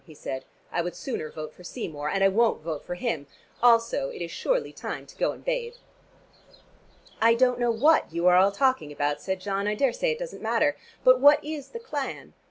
he said. "I would sooner vote for Seymour. And I won't vote for him. Also, it is surely time to go and bathe." "I don't know what you are all talking about," said John. "I daresay it doesn't matter. But what is the clan?"